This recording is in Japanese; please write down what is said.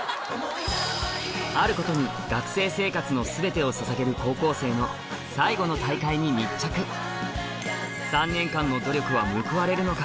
あることに学生生活の全てをささげる高校生の最後の大会に密着３年間の努力は報われるのか？